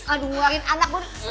aduh ngeluarin anak gue